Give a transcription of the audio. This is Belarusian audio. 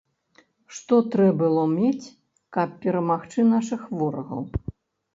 Што трэ было мець, каб перамагчы нашых ворагаў?